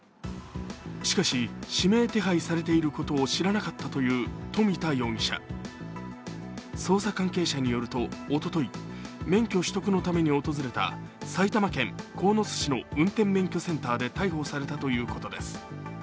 しかし、指名手配されていることを知らなかったという富田容疑者捜査関係者によると、おととい免許取得のために訪れた埼玉県鴻巣市の運転免許センターで逮捕されたということです。